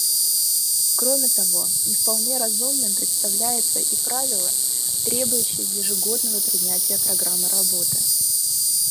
Кроме того, не вполне разумным представляется и правило, требующее ежегодного принятия программы работы.